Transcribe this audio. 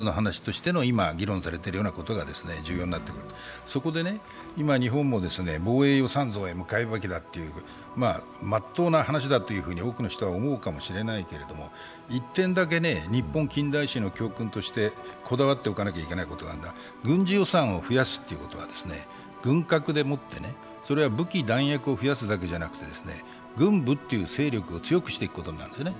それに国際世論の形勢力というのがくっついてくるというか、技術の話としての、今、議論されているようなことが重要になってくるとそこで今、日本も防衛予算増へへ向かうべきだという、真っ当な話だと思うかもしれないけど１点だけ日本近代史の教訓としてこだわっておかなきゃいけないことは軍事予算を増やすということは、軍拡でもって、武器、弾薬を増やすというだけじゃなくて、軍部という勢力を強くしていくことになるんですね。